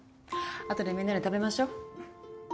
後でみんなで食べましょ。